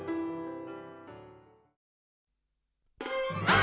「あ！